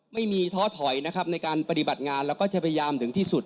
ท้อถอยนะครับในการปฏิบัติงานแล้วก็จะพยายามถึงที่สุด